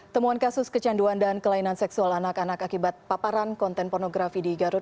temuan kasus kecanduan dan kelainan seksual anak anak akibat paparan konten pornografi di garut